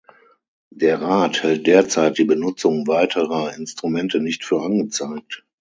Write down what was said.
Der Rat hält derzeit die Benutzung weiterer Instrumente nicht für angezeigt.